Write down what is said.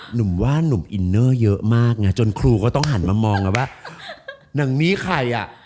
หนุ่มว่านุ่มอินเนอร์เยอะมากไงจนครูก็ต้องหันมามองกันว่าหนังนี้ใครอ่ะ